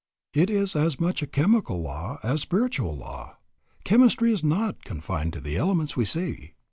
It is as much a chemical law as a spiritual law. Chemistry is not confined to the elements we see.